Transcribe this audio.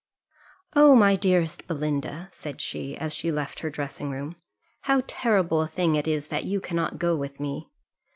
"Oh, my dearest Belinda," said she, as she left her dressing room, "how terrible a thing it is that you cannot go with me!